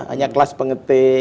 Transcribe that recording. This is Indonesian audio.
hanya kelas pengetik